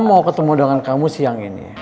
saya mau ketemu dengan kamu siang ini